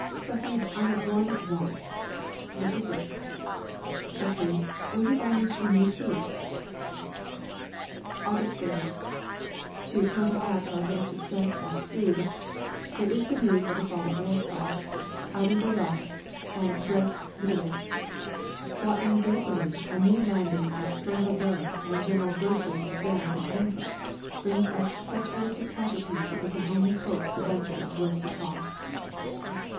"Sahib, I have one want." "What is it?" "Sahib, will you buy me two new teeth?" August 30th. To counteract our little success at Hooge there is the news of the fall of Warsaw, of Ivangorod, and Brest Litovsk; while in Gallipoli a new landing at Suvla Bay and General Birdwood's advance at Anzac brings us such a list of casualties that we can only hope the venture is worth the cost.